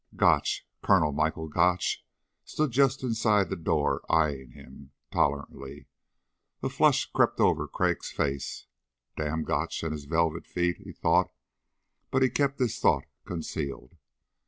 Gotch Colonel Michael Gotch stood just inside the door eyeing him tolerantly. A flush crept over Crag's face. Damn Gotch and his velvet feet, he thought. But he kept the thought concealed.